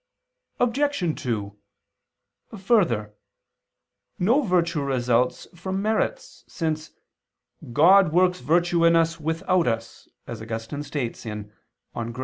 Obj. 2: Further, no virtue results from merits, since "God works virtue in us without us," as Augustine states (De Grat.